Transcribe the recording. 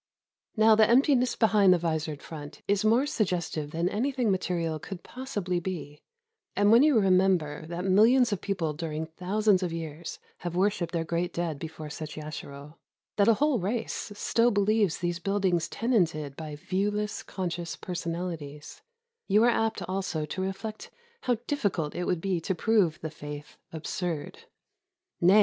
Now the emptiness behind the visored front is more suggestive than anything ma terial could possibly be; and when you remember that millions of people during thousands of years have wor shiped their great dead before such yashiro, — that a whole race still believes those buildings tenanted by viewless conscious personalities, — you are apt also to reflect how difficult it would be to prove the faith absurd. Nay!